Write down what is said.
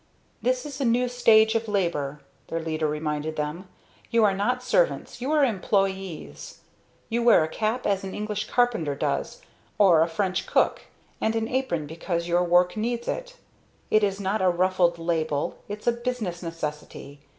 "This is a new stage of labor," their leader reminded them. "You are not servants you are employees. You wear a cap as an English carpenter does or a French cook, and an apron because your work needs it. It is not a ruffled label, it's a business necessity.